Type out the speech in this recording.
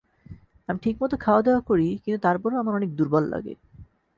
আমি ঠিকমত খাওয়া দাওয়া করি কিন্তু তারপরও আমার অনেক দূর্বল লাগে।